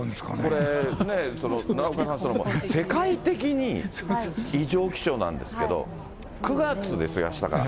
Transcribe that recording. これね、奈良岡さん、世界的に異常気象なんですけど、９月ですよ、あしたから。